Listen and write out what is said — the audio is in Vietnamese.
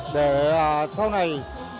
để sau này